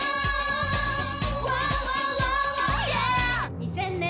２０００年